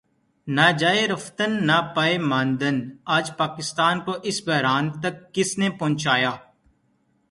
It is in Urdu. نہ جائے رفتن نہ پائے ماندن آج پاکستان کو اس بحران تک کس نے پہنچایا؟